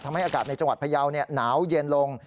ทำให้อากาศในจังหวัดพยาวเนี่ยหนาวเย็นลง